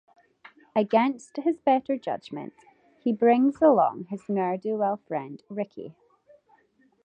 Against his better judgment, he brings along his ne'er-do-well friend Ricky.